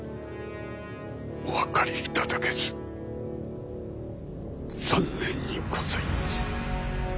お分かりいただけず残念にございます。